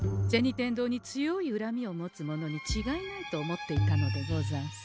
天堂に強いうらみを持つ者にちがいないと思っていたのでござんす。